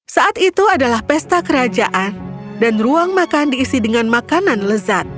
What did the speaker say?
saat itu adalah pesta kerajaan dan ruang makan diisi dengan makanan lezat